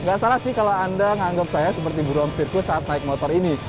nggak salah sih kalau anda menganggap saya seperti buruan sirkus saat naik motor ini